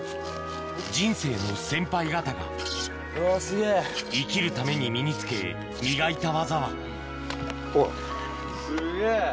人生の先輩方が生きるために身に付け磨いた技はすげぇ。